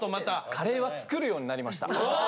カレーは作るようになりました。